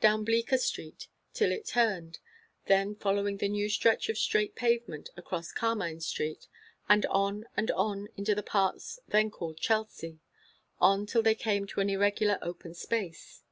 Down Bleecker St. till it turned, then following the new stretch of straight pavement across Carmine St., and on and on into the parts then called Chelsea. On till they came to an irregular open space.